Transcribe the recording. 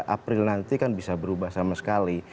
april nanti kan bisa berubah sama sekali